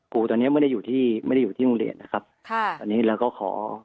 คุณตอนนี้ไม่ได้อยู่ที่โรงเรียนนะครับอันนี้เราก็ขอ